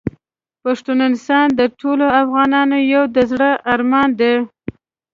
پښتونستان د ټولو افغانانو یو د زړه ارمان دی .